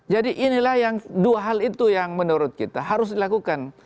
jadi inilah yang dua hal itu yang menurut kita harus dilakukan